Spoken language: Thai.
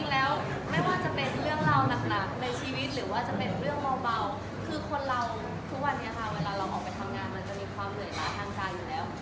เรื่องเบาคือคนเราทุกวันเนี่ยค่ะเวลาเราออกไปทำงานมันจะมีความเหนื่อยมากทางการอยู่แล้ว